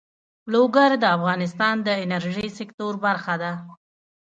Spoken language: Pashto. لوگر د افغانستان د انرژۍ سکتور برخه ده.